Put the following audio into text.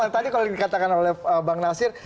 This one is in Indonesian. tadi kalau dikatakan oleh bang nasir